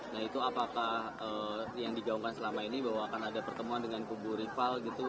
nah itu apakah yang digaungkan selama ini bahwa akan ada pertemuan dengan kubu rival gitu